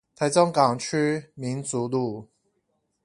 台中港區民族路